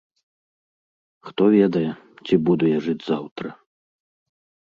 Хто ведае, ці буду я жыць заўтра.